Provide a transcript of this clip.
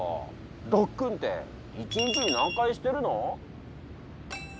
ドックンって一日に何回してるの？